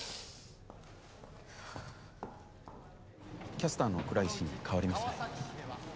キャスターの倉石に替わりますね。